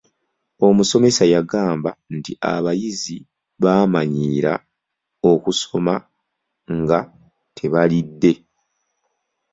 Omusomesa yagamba nti abayizi baamanyiira okusoma nga tebalidde.